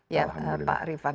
ya pak rifan